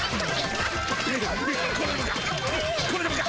これでもか！